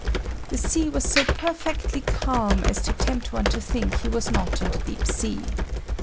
The sea was so perfectly calm as to tempt one to think he was not on the deep sea.